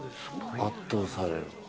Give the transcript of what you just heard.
圧倒される。